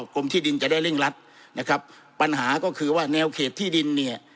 กรมที่ดินจะได้เร่งรัดนะครับปัญหาก็คือว่าแนวเขตที่ดินเนี่ย